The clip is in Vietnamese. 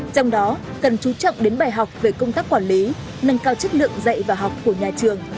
trong đó cần chú trọng đến bài học về công tác quản lý nâng cao chất lượng dạy và học của nhà trường